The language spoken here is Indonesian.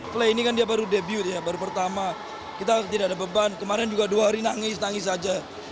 play ini kan dia baru debute ya baru pertama kita tidak ada beban kemarin juga dua hari nangis nangis saja